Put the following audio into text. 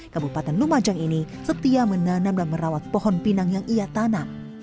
kabupaten lumajang ini setia menanam dan merawat pohon pinang yang ia tanam